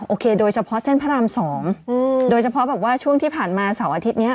โอเคโดยเฉพาะเส้นพระรามสองโดยเฉพาะบอกว่าช่วงที่ผ่านมาเสาร์อาทิตย์เนี้ย